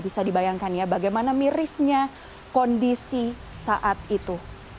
bisa dibayangkan ya bagaimana mirisnya kondisi saat itu